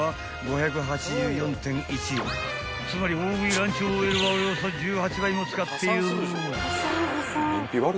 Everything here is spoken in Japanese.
［つまり大食いランチＯＬはおよそ１８倍も使っている］